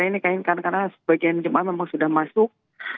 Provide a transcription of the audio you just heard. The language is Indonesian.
ini kan karena sebagian jemaah memang sudah masuk